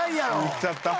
言っちゃった。